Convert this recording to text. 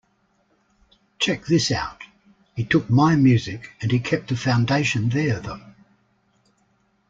Check this out, he took my music and he kept the foundation there, though.